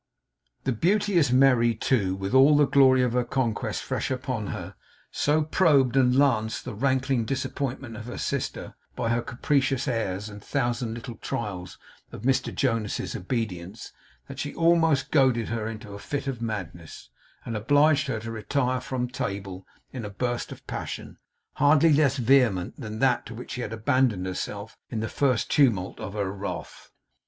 The beauteous Merry, too, with all the glory of her conquest fresh upon her, so probed and lanced the rankling disappointment of her sister by her capricious airs and thousand little trials of Mr Jonas's obedience, that she almost goaded her into a fit of madness, and obliged her to retire from table in a burst of passion, hardly less vehement than that to which she had abandoned herself in the first tumult of her wrath.